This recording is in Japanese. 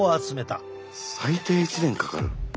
最低１年かかる。